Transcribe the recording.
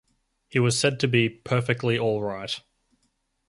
He was said to be "perfectly all right".